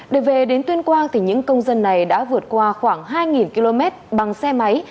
để về đến tuyên quang những công dân này đã vượt qua khoảng hai km bằng xe máy